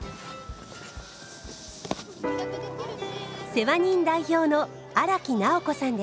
世話人代表の荒木直子さんです。